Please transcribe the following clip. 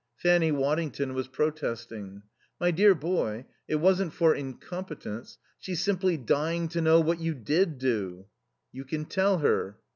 Fanny Waddington was protesting. "My dear boy, it wasn't for incompetence. She's simply dying to know what you did do." "You can tell her."